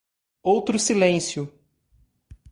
Outro silêncio